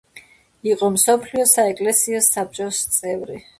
იყო მსოფლიო საეკლესიო საბჭოს წევრი.